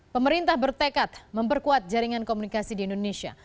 pemerintah bertekad memperkuat jaringan komunikasi di indonesia